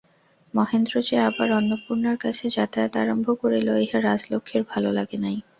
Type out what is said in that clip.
মহেন্দ্র যে আবার অন্নপূর্ণার কাছে যাতায়াত আরম্ভ করিল, ইহা রাজলক্ষ্মীর ভালো লাগে নাই।